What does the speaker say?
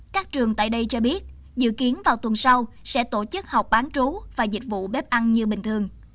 các trường tại đây cho biết dự kiến vào tuần sau sẽ tổ chức học bán trú và dịch vụ bếp ăn như bình thường